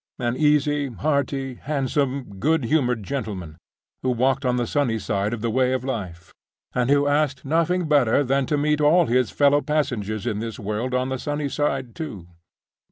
An easy, hearty, handsome, good humored gentleman, who walked on the sunny side of the way of life, and who asked nothing better than to meet all his fellow passengers in this world on the sunny side, too.